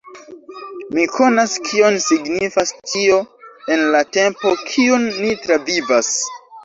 Mi konas kion signifas tio en la tempo kiun ni travivas.